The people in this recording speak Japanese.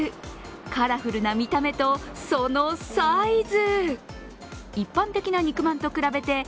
カラフルな見た目と、そのサイズ。